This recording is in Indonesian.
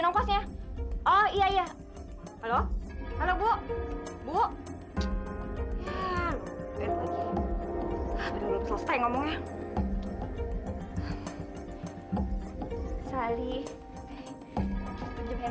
penjempen handphonenya ya